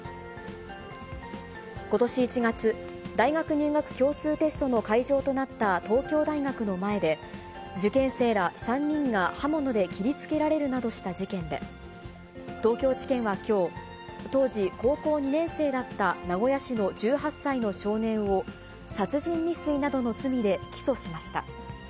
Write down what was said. ことし１月、大学入学共通テストの会場となった東京大学の前で、受験生ら３人が刃物で切りつけられるなどした事件で、東京地検はきょう、当時高校２年生だった名古屋市の１８歳の少年を、殺人未遂などの罪で起訴しました。